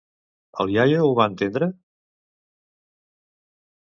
El iaio ho va entendre?